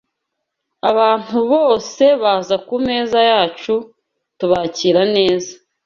Abantu bose baza ku meza yacu tubakira neza